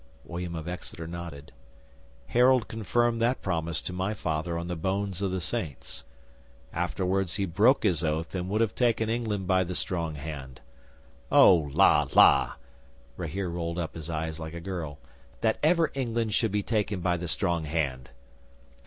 William of Exeter nodded. "Harold confirmed that promise to my Father on the bones of the Saints. Afterwards he broke his oath and would have taken England by the strong hand." '"Oh! La! La!" Rahere rolled up his eyes like a girl. "That ever England should be taken by the strong hand!"